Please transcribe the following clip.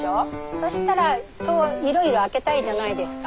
そしたら戸をいろいろ開けたいじゃないですか。